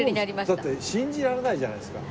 だって信じられないじゃないですか。